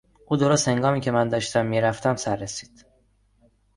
او درست هنگامی که من داشتم میرفتم سررسید.